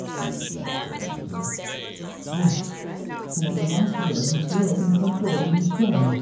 '" "Is that all you heard?" "Yes; for with the last word he threw open the front door and was gone."